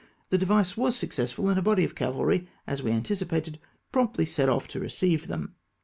The device was successful, and a body of cavalry, as we anticipated, promptly set off to receive them.